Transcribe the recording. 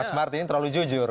mas martin terlalu jujur